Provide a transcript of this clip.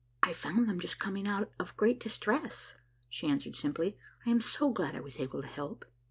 "I found them just coming out of great distress," she answered simply; "I am so glad I was able to help."